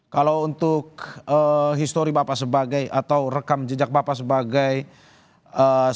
kalau untuk histori bapak sebagai atau rekam jejak bapak sebagai sebuah